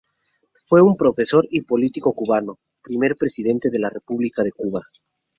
Fue un profesor y político cubano, primer Presidente de la República de Cuba.